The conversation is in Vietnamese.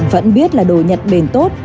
vẫn biết là đồ nhật bền tốt